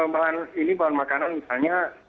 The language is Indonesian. bahan ini bahan makanan misalnya